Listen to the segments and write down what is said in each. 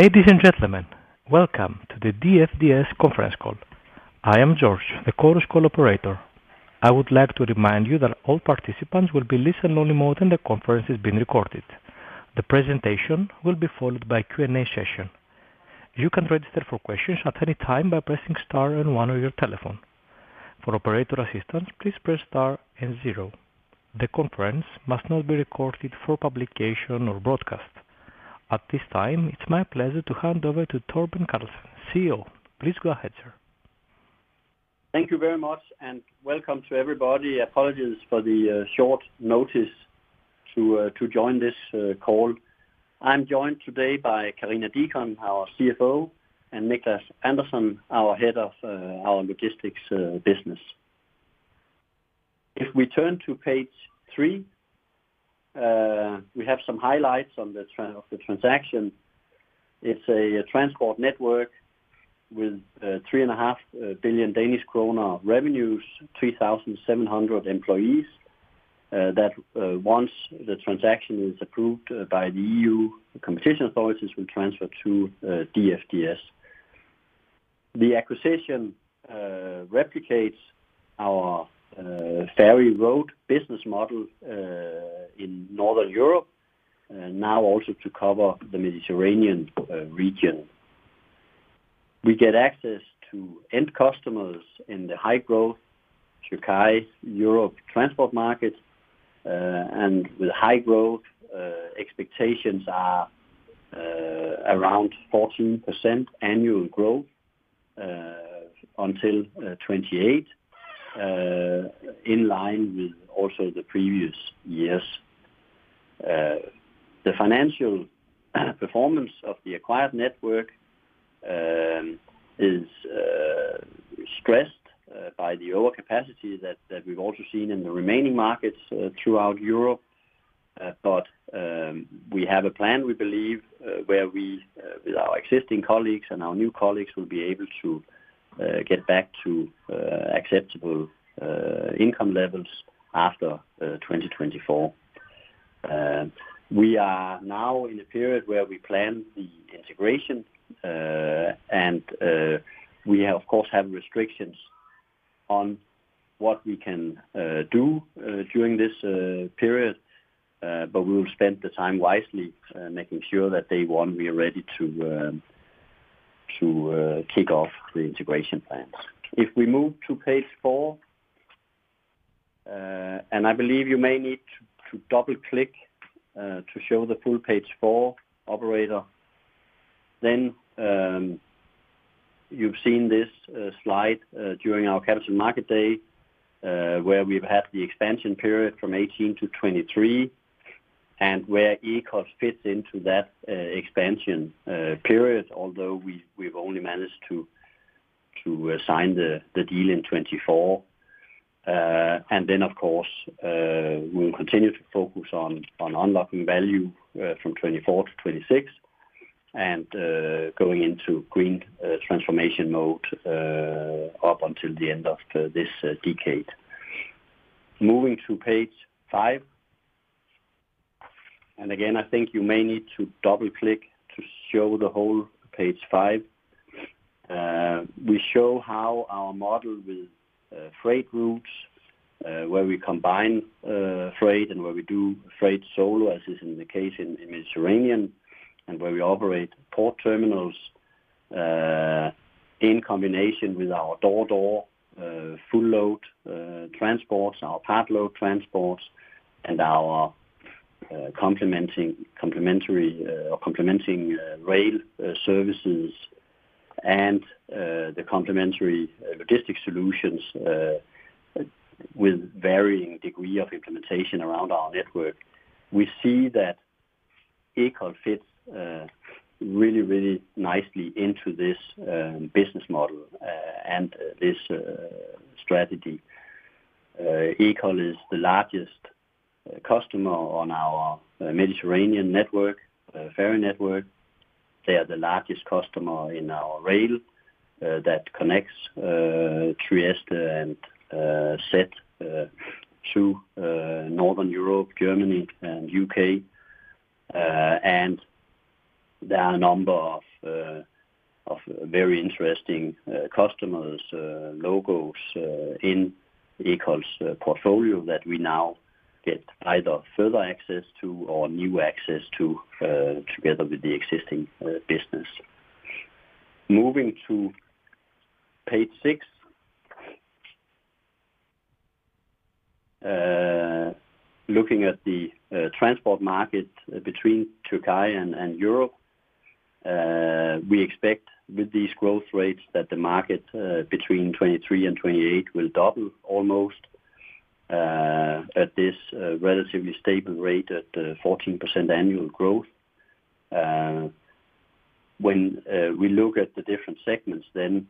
Ladies and gentlemen, welcome to the DFDS conference call. I am George, the Chorus Call operator. I would like to remind you that all participants will be in listen-only mode and the conference is being recorded. The presentation will be followed by a Q&A session. You can register for questions at any time by pressing star one on your telephones. For operator assistance, please press star zero. The conference must not be recorded for publication or broadcast. At this time, it's my pleasure to hand over to Torben Carlsen, CEO. Please go ahead, sir. Thank you very much, and welcome to everybody. Apologies for the short notice to join this call. I'm joined today by Karina Deacon, our CFO, and Niklas Andersson, our head of our logistics business. If we turn to page three, we have some highlights of the transaction. It's a transport network with 3.5 billion Danish kroner revenues, 3,700 employees. Once the transaction is approved by the EU, the competition authorities will transfer to DFDS. The acquisition replicates our ferry road business model in Northern Europe, now also to cover the Mediterranean region. We get access to end customers in the high-growth Turkey-Europe transport market, and with high growth, expectations are around 14% annual growth until 2028, in line with also the previous years. The financial performance of the acquired network is stressed by the overcapacity that we've also seen in the remaining markets throughout Europe, but we have a plan, we believe, where we, with our existing colleagues and our new colleagues, will be able to get back to acceptable income levels after 2024. We are now in a period where we plan the integration, and we, of course, have restrictions on what we can do during this period, but we will spend the time wisely making sure that day one we are ready to kick off the integration plans. If we move to page four, and I believe you may need to double-click to show the full page four, operator, then you've seen this slide during our Capital Market Day where we've had the expansion period from 2018 to 2023 and where Ekol fits into that expansion period, although we've only managed to sign the deal in 2024. And then, of course, we'll continue to focus on unlocking value from 2024 to 2026 and going into green transformation mode up until the end of this decade. Moving to page five, and again, I think you may need to double-click to show the whole page five. We show how our model with freight routes, where we combine freight and where we do freight solo, as is in the case in the Mediterranean, and where we operate port terminals in combination with our door-to-door full-load transports, our part-load transports, and our complementary rail services and the complementary logistics solutions with varying degree of implementation around our network. We see that Ekol fits really, really nicely into this business model and this strategy. Ekol is the largest customer on our Mediterranean ferry network. They are the largest customer in our rail that connects Trieste and Sète to Northern Europe, Germany, and U.K... There are a number of very interesting customers' logos in Ekol's portfolio that we now get either further access to or new access to together with the existing business. Moving to page six, looking at the transport market between Turkey and Europe, we expect with these growth rates that the market between 2023 and 2028 will double almost at this relatively stable rate at 14% annual growth. When we look at the different segments, then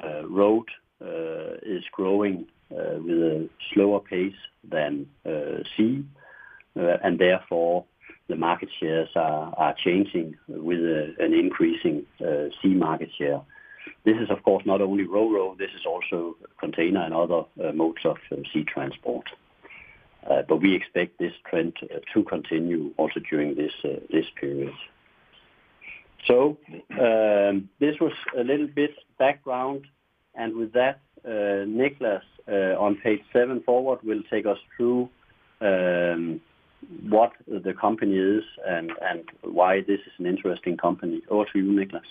road is growing with a slower pace than sea, and therefore the market shares are changing with an increasing sea market share. This is, of course, not only Ro-Ro; this is also container and other modes of sea transport. But we expect this trend to continue also during this period. So this was a little bit background, and with that, Niklas on page seven forward will take us through what the company is and why this is an interesting company. Over to you, Niklas.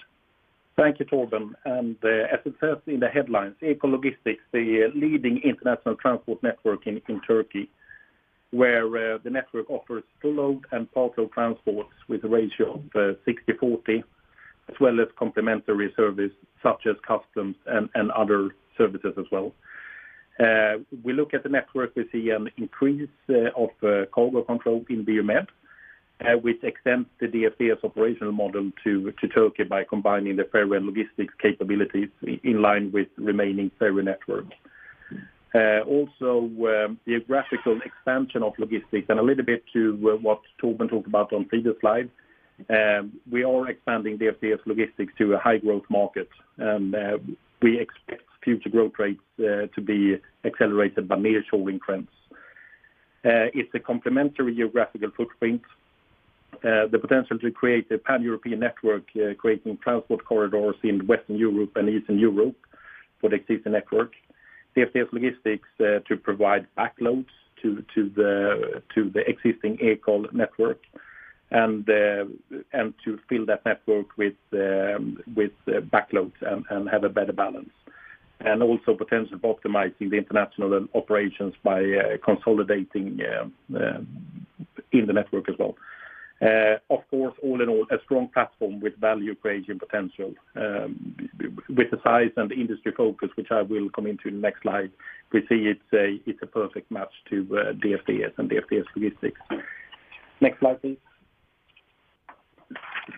Thank you, Torben. As it says in the headlines, Ekol Logistics, the leading international transport network in Turkey, where the network offers full-load and part-load transports with a ratio of 60/40, as well as complementary service such as customs and other services as well. We look at the network. We see an increase of cargo control in BU Sète, which extends the DFDS operational model to Turkey by combining the ferry and logistics capabilities in line with remaining ferry network. Also, geographical expansion of logistics and a little bit to what Torben talked about on previous slides, we are expanding DFDS logistics to a high-growth market, and we expect future growth rates to be accelerated by near-shoring trends. It's a complementary geographical footprint, the potential to create a pan-European network creating transport corridors in Western Europe and Eastern Europe for the existing network, DFDS Logistics to provide backloads to the existing Ekol network and to fill that network with backloads and have a better balance, and also potential for optimizing the international operations by consolidating in the network as well. Of course, all in all, a strong platform with value creation potential. With the size and the industry focus, which I will come into in the next slide, we see it's a perfect match to DFDS and DFDS Logistics. Next slide, please.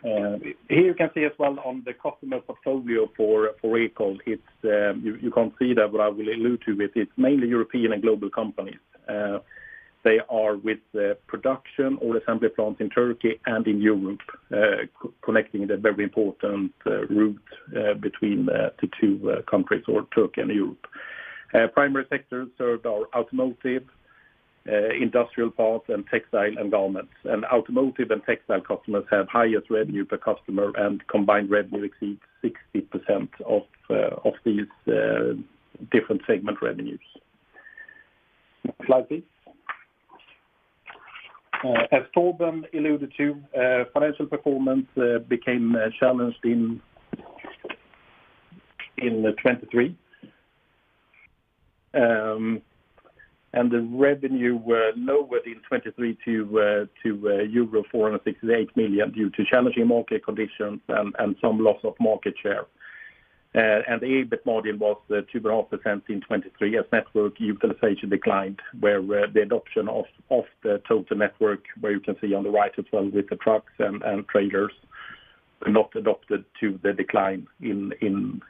Here you can see as well on the customer portfolio for Ekol, you can't see that, but I will allude to it. It's mainly European and global companies. They are with production or assembly plants in Turkey and in Europe, connecting the very important route between the two countries, or Turkey and Europe. Primary sectors served are automotive, industrial parts, and textile and garments. And automotive and textile customers have highest revenue per customer, and combined revenue exceeds 60% of these different segment revenues. Next slide, please. As Torben alluded to, financial performance became challenged in 2023, and the revenue were lowered in 2023 to euro 468 million due to challenging market conditions and some loss of market share. And the EBIT margin was 2.5% in 2023 as network utilization declined, where the adoption of the total network, where you can see on the right as well with the trucks and trailers, not adopted to the decline in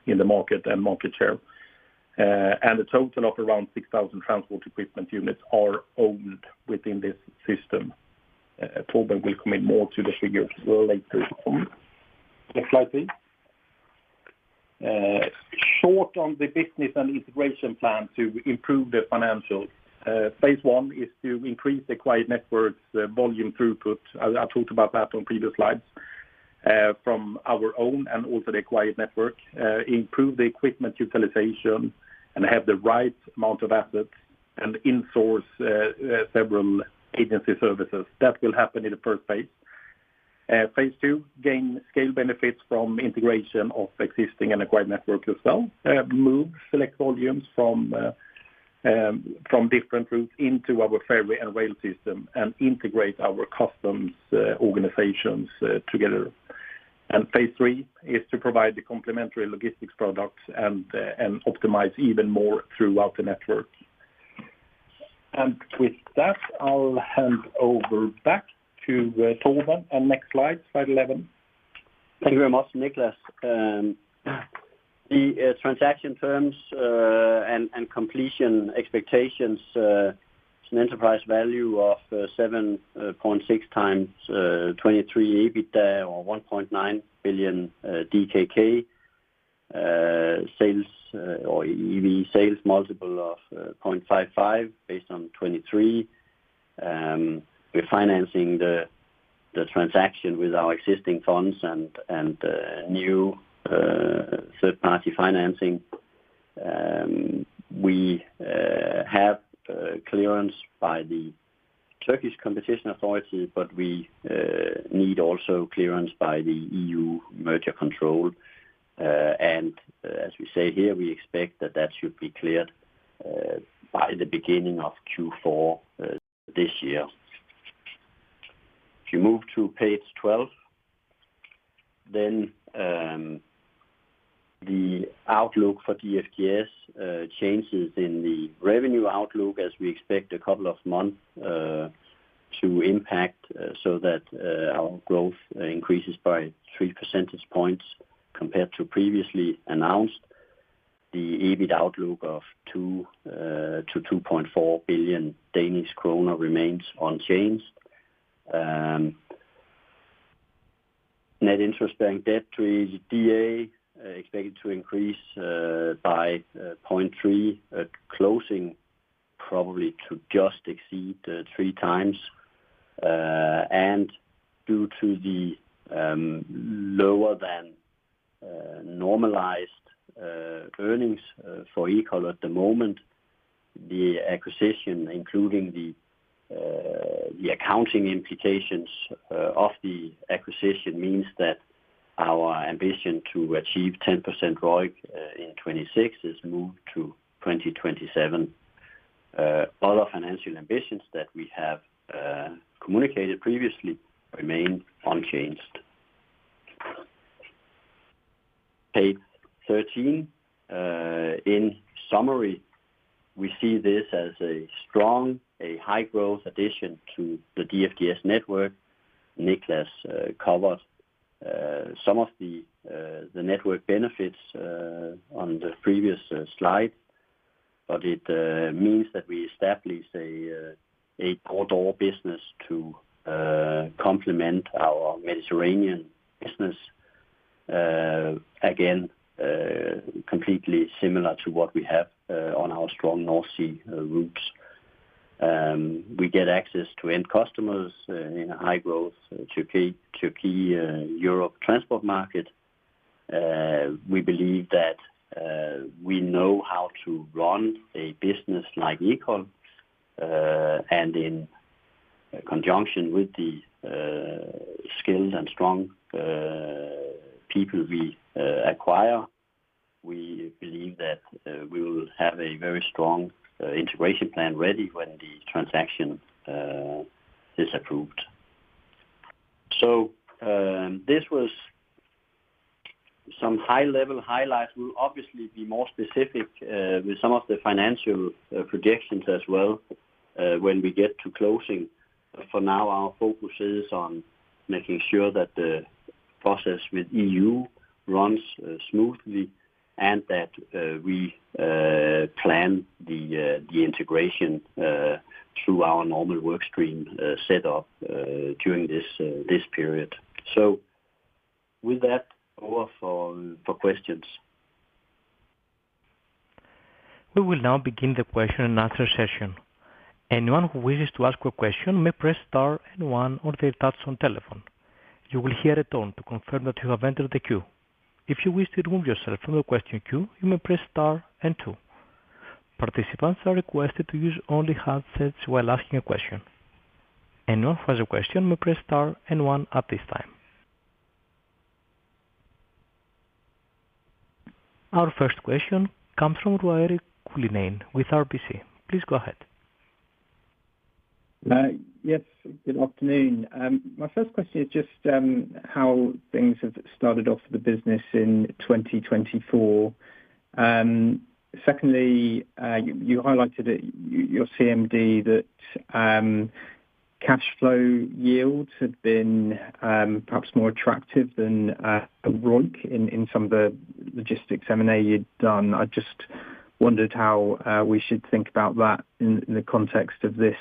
the market and market share. And a total of around 6,000 transport equipment units are owned within this system. Torben will come in more to the figures later. Next slide, please. Short on the business and integration plan to improve the financials. Phase 1 is to increase the acquired network's volume throughput. I talked about that on previous slides from our own and also the acquired network, improve the equipment utilization, and have the right amount of assets and insource several agency services. That will happen in the first phase. Phase 2, gain scale benefits from integration of existing and acquired network as well, move select volumes from different routes into our ferry and rail system and integrate our customs organizations together. Phase 3 is to provide the complementary logistics products and optimize even more throughout the network. And with that, I'll hand over back to Torben. Next slide, slide 11. Thank you very much, Niklas. The transaction terms and completion expectations, it's an enterprise value of 7.6x 2023 EBITDA or 1.9 billion DKK, sales or EV sales multiple of 0.55 based on 2023. We're financing the transaction with our existing funds and new third-party financing. We have clearance by the Turkish competition authority, but we need also clearance by the EU merger control. And as we say here, we expect that that should be cleared by the beginning of Q4 this year. If you move to page 12, then the outlook for DFDS changes in the revenue outlook as we expect a couple of months to impact so that our growth increases by 3 percentage points compared to previously announced. The EBIT outlook of 2 billion-2.4 billion Danish kroner remains unchanged. Net interest-bearing debt to EBITDA expected to increase by 0.3, closing probably to just exceed 3x. Due to the lower than normalized earnings for Ekol at the moment, the acquisition, including the accounting implications of the acquisition, means that our ambition to achieve 10% ROIC in 2026 is moved to 2027. Other financial ambitions that we have communicated previously remain unchanged. Page 13, in summary, we see this as a strong, a high-growth addition to the DFDS network. Niklas covered some of the network benefits on the previous slide, but it means that we establish a door-to-door business to complement our Mediterranean business, again, completely similar to what we have on our strong North Sea routes. We get access to end customers in a high-growth Turkey-Europe transport market. We believe that we know how to run a business like Ekol, and in conjunction with the skilled and strong people we acquire, we believe that we will have a very strong integration plan ready when the transaction is approved. So this was some high-level highlights. We'll obviously be more specific with some of the financial projections as well when we get to closing. For now, our focus is on making sure that the process with EU runs smoothly and that we plan the integration through our normal workstream setup during this period. So with that, over for questions. We will now begin the question and answer session. Anyone who wishes to ask a question may press star and one on their touchtone telephone. You will hear a tone to confirm that you have entered the queue. If you wish to remove yourself from the question queue, you may press star and two. Participants are requested to use only handsets while asking a question. Anyone who has a question may press star and one at this time. Our first question comes from Ruairi Cullinane with RBC. Please go ahead. Yes. Good afternoon. My first question is just how things have started off for the business in 2024. Secondly, you highlighted at your CMD that cash flow yields had been perhaps more attractive than ROIC in some of the logistics M&A you'd done. I just wondered how we should think about that in the context of this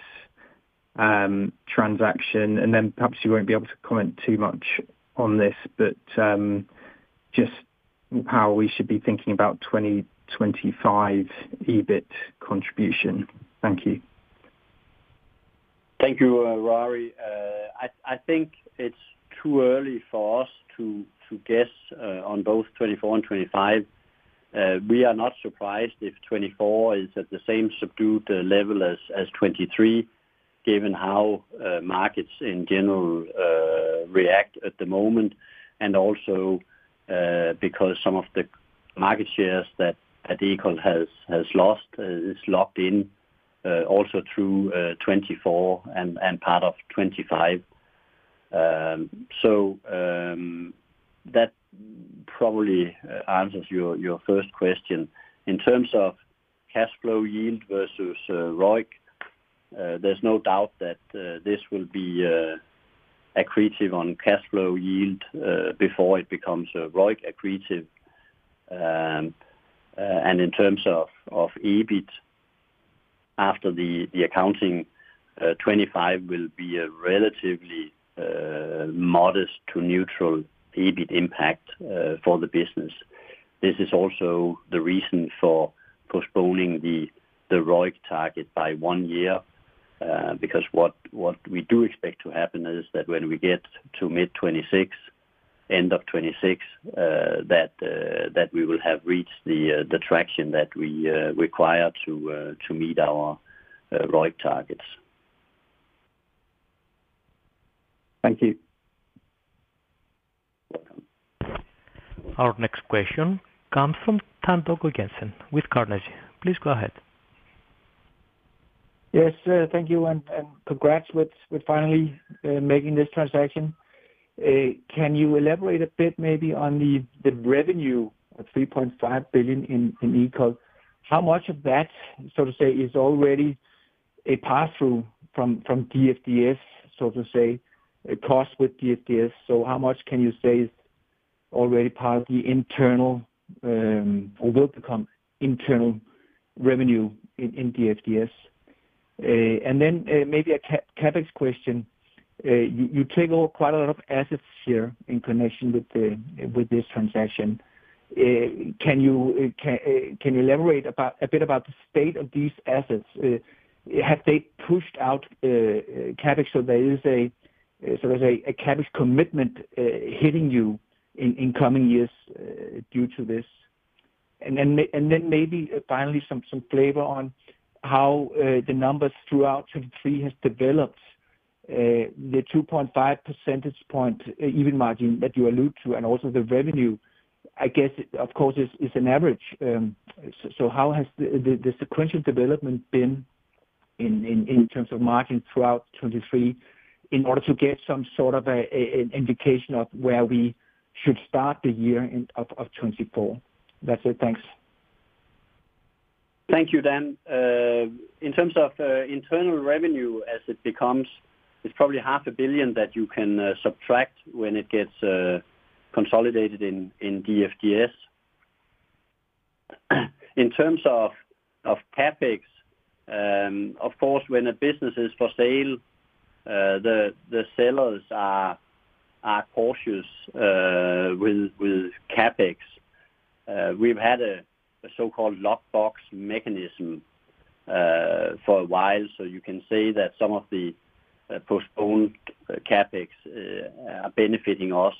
transaction? And then perhaps you won't be able to comment too much on this, but just how we should be thinking about 2025 EBIT contribution? Thank you. Thank you, Ruairi. I think it's too early for us to guess on both 2024 and 2025. We are not surprised if 2024 is at the same subdued level as 2023, given how markets in general react at the moment, and also because some of the market shares that Ekol has lost is locked in also through 2024 and part of 2025. So that probably answers your first question. In terms of cash flow yield versus ROIC, there's no doubt that this will be accretive on cash flow yield before it becomes ROIC accretive. And in terms of EBIT, after the accounting, 2025 will be a relatively modest to neutral EBIT impact for the business. This is also the reason for postponing the ROIC target by one year, because what we do expect to happen is that when we get to mid-2026, end of 2026, that we will have reached the traction that we require to meet our ROIC targets. Thank you. You're welcome. Our next question comes from Dan Togo Jensen with Carnegie. Please go ahead. Yes. Thank you. Congrats with finally making this transaction. Can you elaborate a bit maybe on the revenue of 3.5 billion in Ekol? How much of that, so to say, is already a pass-through from DFDS, so to say, cost with DFDS? So how much can you say is already part of the internal or will become internal revenue in DFDS? And then maybe a CapEx question. You take over quite a lot of assets here in connection with this transaction. Can you elaborate a bit about the state of these assets? Have they pushed out CapEx so there is, so to say, a CapEx commitment hitting you in coming years due to this? And then maybe finally some flavor on how the numbers throughout 2023 have developed, the 2.5 percentage point EBIT margin that you allude to and also the revenue. I guess, of course, it's an average. How has the sequential development been in terms of margin throughout 2023 in order to get some sort of an indication of where we should start the year of 2024? That's it. Thanks. Thank you, Dan. In terms of internal revenue as it becomes, it's probably 500 million that you can subtract when it gets consolidated in DFDS. In terms of CapEx, of course, when a business is for sale, the sellers are cautious with CapEx. We've had a so-called lockbox mechanism for a while, so you can say that some of the postponed CapEx are benefiting us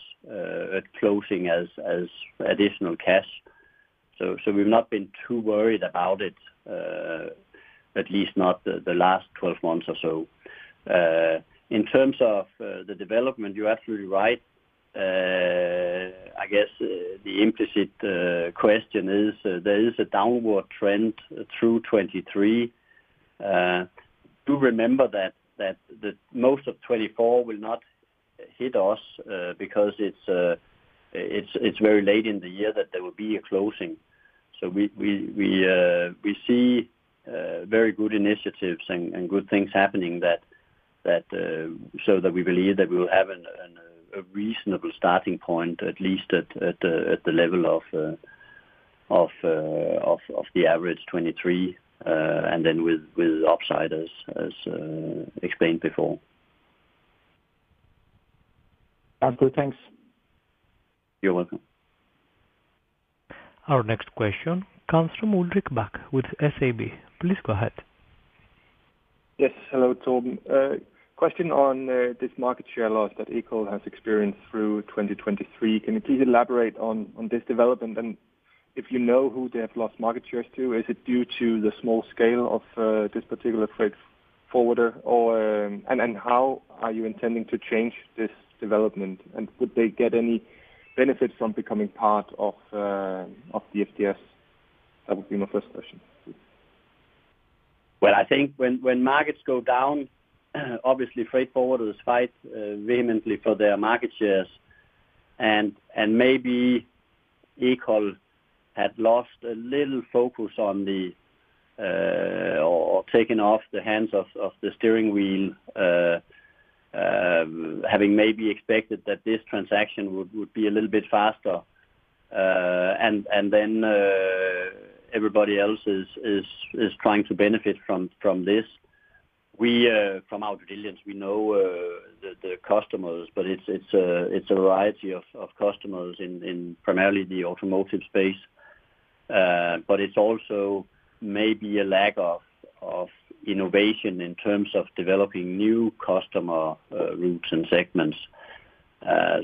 at closing as additional cash. So we've not been too worried about it, at least not the last 12 months or so. In terms of the development, you're absolutely right. I guess the implicit question is there is a downward trend through 2023. Do remember that most of 2024 will not hit us because it's very late in the year that there will be a closing so we see very good initiatives and good things happening so that we believe that we will have a reasonable starting point, at least at the level of the average 2023, and then with upsiders, as explained before. Sounds good. Thanks. You're welcome. Our next question comes from Ulrik Bak with SEB. Please go ahead. Yes. Hello, Torben. Question on this market share loss that Ekol has experienced through 2023. Can you please elaborate on this development? And if you know who they have lost market shares to, is it due to the small scale of this particular freight forwarder, and how are you intending to change this development? And would they get any benefit from becoming part of DFDS? That would be my first question. Well, I think when markets go down, obviously, freight forwarders fight vehemently for their market shares. And maybe Ekol had lost a little focus or taken their hands off the steering wheel, having maybe expected that this transaction would be a little bit faster, and then everybody else is trying to benefit from this. From our due diligence, we know the customers, but it's a variety of customers in primarily the automotive space. But it's also maybe a lack of innovation in terms of developing new customer routes and segments.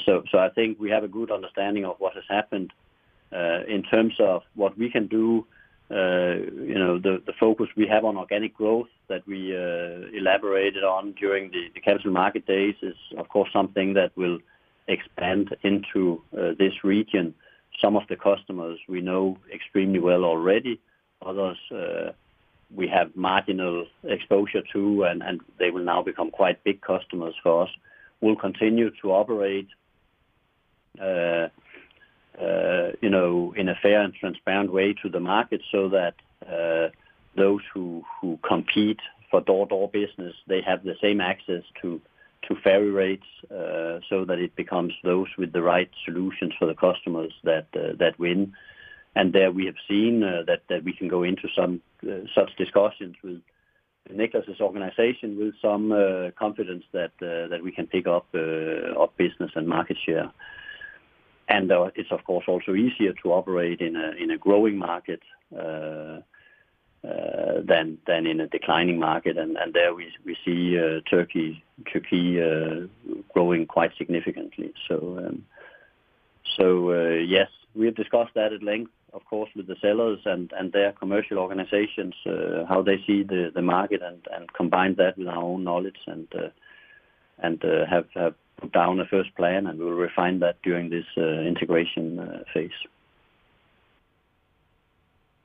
So I think we have a good understanding of what has happened. In terms of what we can do, the focus we have on organic growth that we elaborated on during the Capital Markets Days is, of course, something that will expand into this region. Some of the customers, we know extremely well already. Others, we have marginal exposure to, and they will now become quite big customers for us. We'll continue to operate in a fair and transparent way to the market so that those who compete for door-to-door business, they have the same access to ferry rates so that it becomes those with the right solutions for the customers that win. And there we have seen that we can go into such discussions with Niklas's organization with some confidence that we can pick up business and market share. And it's, of course, also easier to operate in a growing market than in a declining market. And there we see Turkey growing quite significantly. So yes, we have discussed that at length, of course, with the sellers and their commercial organizations, how they see the market, and combined that with our own knowledge and have put down a first plan we'll refine that during this integration phase.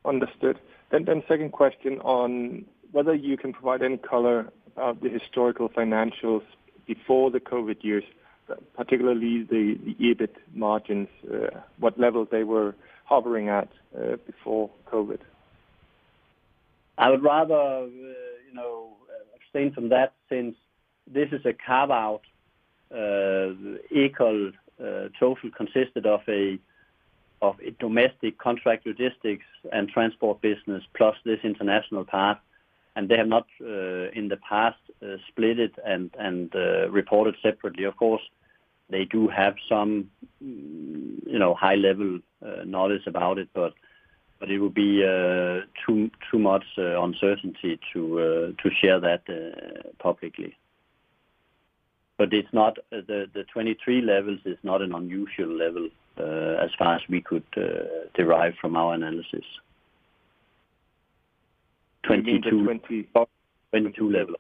Understood. Then second question on whether you can provide any color about the historical financials before the COVID years, particularly the EBIT margins, what level they were hovering at before COVID? I would rather abstain from that since this is a carve-out. Ekol total consisted of a domestic contract logistics and transport business plus this international part. They have not, in the past, split it and reported separately. Of course, they do have some high-level knowledge about it, but it would be too much uncertainty to share that publicly. The 2023 levels is not an unusual level as far as we could derive from our analysis. 2022. You mean the 2022 level?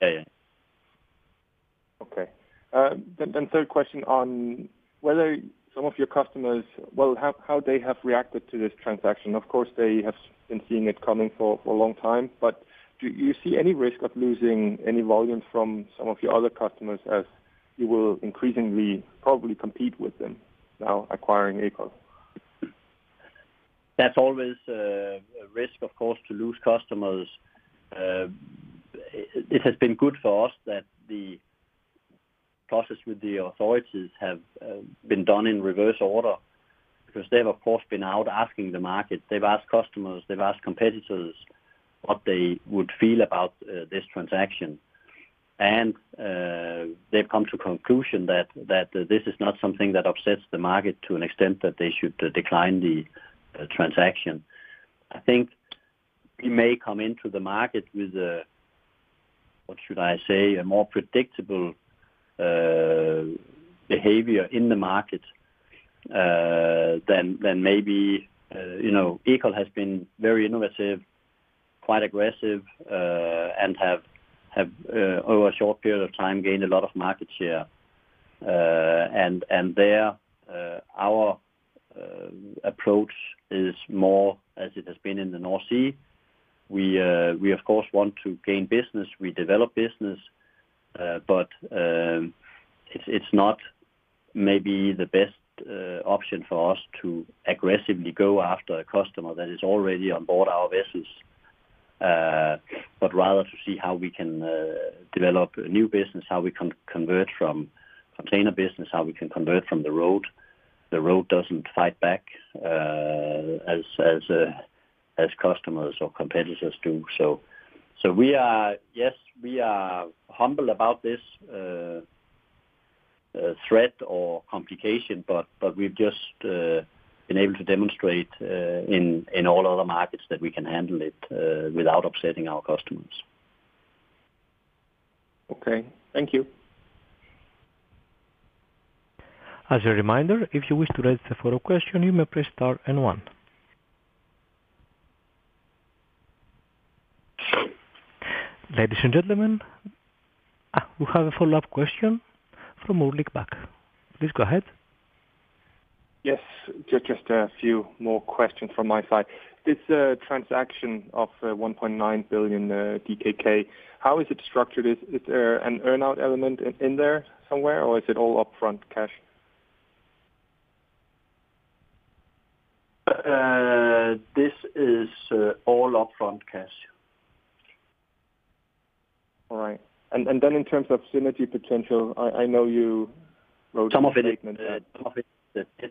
Yeah, yeah. Okay. Then third question on whether some of your customers, well, how they have reacted to this transaction. Of course, they have been seeing it coming for a long time, but do you see any risk of losing any volume from some of your other customers as you will increasingly probably compete with them now acquiring Ekol? That's always a risk, of course, to lose customers. It has been good for us that the process with the authorities has been done in reverse order because they have, of course, been out asking the market. They've asked customers. They've asked competitors what they would feel about this transaction. They've come to the conclusion that this is not something that upsets the market to an extent that they should decline the transaction. I think we may come into the market with a, what should I say, a more predictable behavior in the market than maybe Ekol has been very innovative, quite aggressive, and have over a short period of time gained a lot of market share. There our approach is more as it has been in the North Sea. We, of course, want to gain business. We develop business, but it's not maybe the best option for us to aggressively go after a customer that is already on board our vessels, but rather to see how we can develop new business, how we can convert from container business, how we can convert from the road. The road doesn't fight back as customers or competitors do. So yes, we are humble about this threat or complication, but we've just been able to demonstrate in all other markets that we can handle it without upsetting our customers. Okay. Thank you. As a reminder, if you wish to raise the follow-up question, you may press star and one. Ladies and gentlemen, we have a follow-up question from Ulrik Bak. Please go ahead. Yes. Just a few more questions from my side. This transaction of 1.9 billion DKK, how is it structured? Is there an earnout element in there somewhere, or is it all upfront cash? This is all upfront cash. All right. And then in terms of synergy potential, I know you wrote a statement that. Some of it is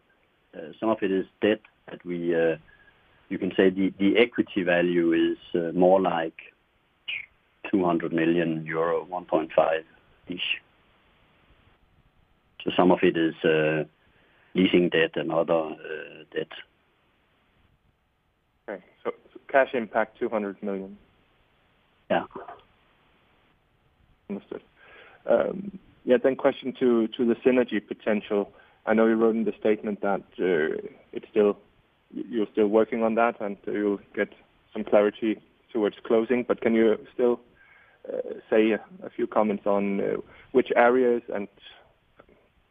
debt. Some of it is debt that you can say the equity value is more like 200 million euro, 1.5 million each. So some of it is leasing debt and other debt. Okay. So cash impact 200 million. Yeah. Understood. Yeah. Then question to the synergy potential. I know you wrote in the statement that you're still working on that, and you'll get some clarity towards closing. But can you still say a few comments on which areas and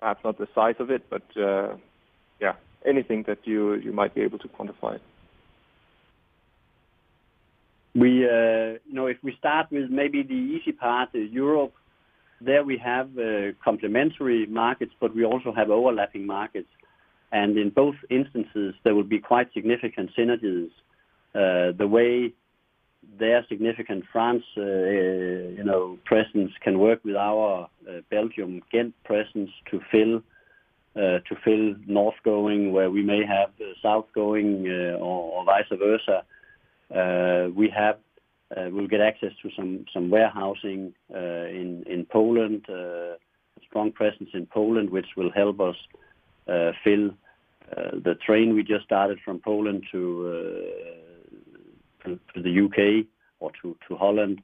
perhaps not the size of it, but yeah, anything that you might be able to quantify? If we start with maybe the easy part, Europe, there we have complementary markets, but we also have overlapping markets. In both instances, there will be quite significant synergies. The way their significant France presence can work with our Belgium, Ghent presence to fill north-going where we may have south-going or vice versa. We will get access to some warehousing in Poland, a strong presence in Poland, which will help us fill the train we just started from Poland to the U.K., or to Holland.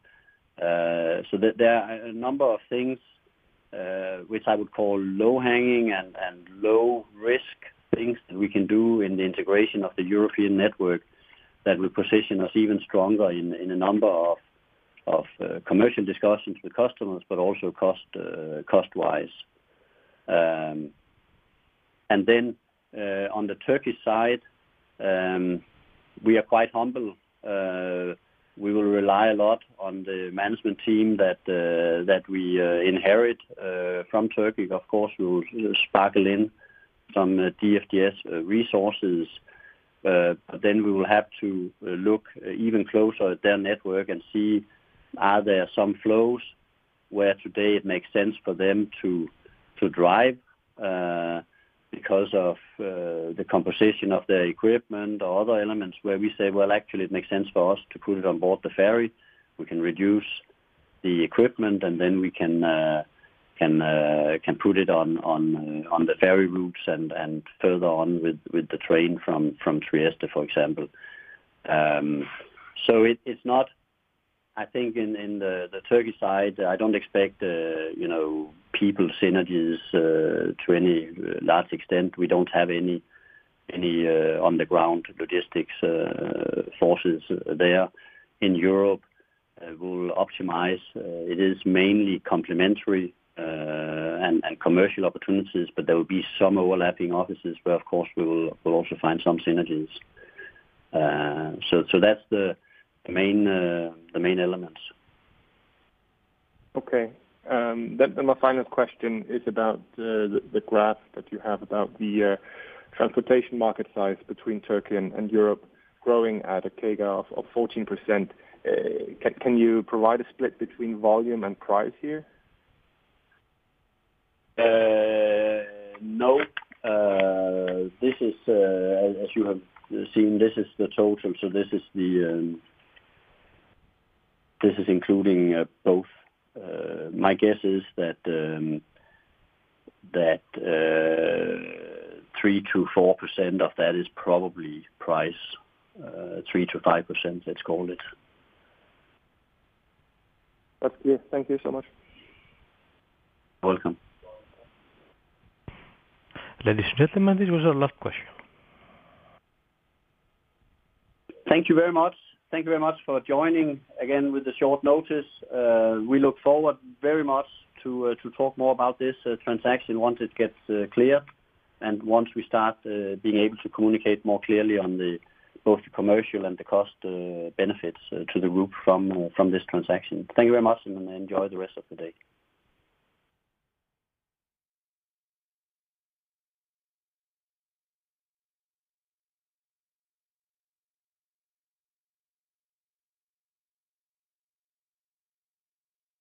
So there are a number of things which I would call low-hanging and low-risk things that we can do in the integration of the European network that will position us even stronger in a number of commercial discussions with customers, but also cost-wise. Then on the Turkish side, we are quite humble. We will rely a lot on the management team that we inherit from Turkey. Of course, we'll sprinkle in some DFDS resources. But then we will have to look even closer at their network and see, are there some flows where today it makes sense for them to drive because of the composition of their equipment or other elements where we say, "Well, actually, it makes sense for us to put it on board the ferry. We can reduce the equipment, and then we can put it on the ferry routes and further on with the train from Trieste, for example." So I think in the Turkish side, I don't expect people synergies to any large extent. We don't have any on-the-ground logistics forces there in Europe. We'll optimize it is mainly complementary and commercial opportunities, but there will be some overlapping offices where, of course, we will also find some synergies. So that's the main elements. Okay. Then my final question is about the graph that you have about the transportation market size between Turkey and Europe growing at a CAGR of 14%. Can you provide a split between volume and price here? No. As you have seen, this is the total. So this is including both. My guess is that 3%-4% of that is probably price, 3%-5%, let's call it. That's clear. Thank you so much. You're welcome. Ladies and gentlemen, this was our last question. Thank you very much. Thank you very much for joining again with a short notice. We look forward very much to talk more about this transaction once it gets clear and once we start being able to communicate more clearly on both the commercial and the cost benefits to the group from this transaction. Thank you very much, and enjoy the rest of the day.